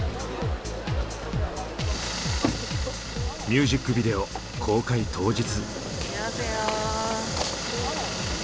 ミュージックビデオ公開当日。